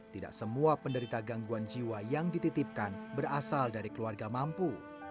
tidak semua penderita gangguan jiwa yang dititipkan berasal dari keluarga mampu